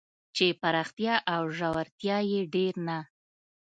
چې پراختیا او ژورتیا یې ډېر نه